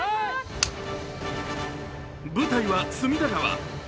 舞台は隅田川。